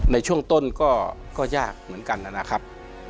ในช่วงต้นก็ยากเหมือนกันนะครับ